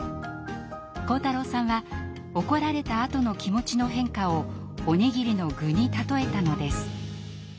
晃太郎さんは怒られたあとの気持ちの変化をおにぎりの具に例えたのです。